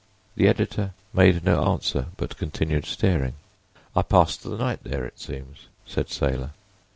The editor made no answer, but continued staring. "I passed the night there—it seems," said Saylor.